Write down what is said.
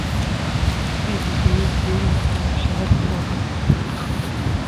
ایک دیے کی لو نے سارا شہر جلا کر خاک کیا